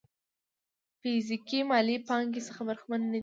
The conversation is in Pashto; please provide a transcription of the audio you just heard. فزيکي مالي پانګې څخه برخمن نه دي.